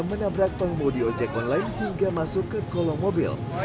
menabrak pengemudi ojek online hingga masuk ke kolong mobil